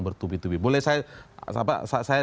bertubi tubi boleh saya